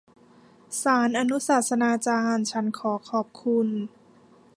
ศาลอนุศาสนาจารย์ฉันขอขอบคุณ